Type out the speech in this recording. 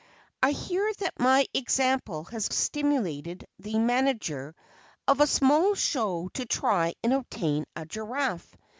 I hear that my example has stimulated the manager of a small show to try and obtain a Giraffe.